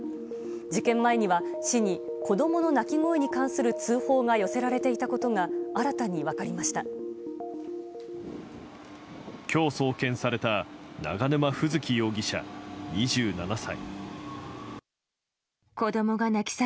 事件前には市に子供の泣き声に関する通報が寄せられていたことが今日、送検された永沼楓月容疑者、２７歳。